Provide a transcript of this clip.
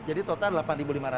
jadi total rp delapan lima ratus